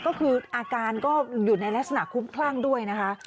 ก็คืออาการก็อยู่ในลักษณะคุ้มคลั่งด้วยนะคะ